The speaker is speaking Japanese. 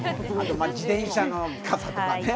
自転車の傘とかね。